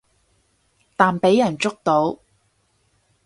但畀人捉到